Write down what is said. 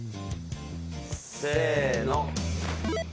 せの。